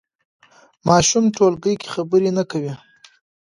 ماشوم ټولګي کې خبرې نه کوي.